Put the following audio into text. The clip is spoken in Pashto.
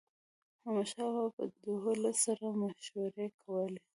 احمدشاه بابا به د ولس سره مشورې کولي.